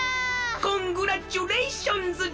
コングラッチュレーションズじゃあ！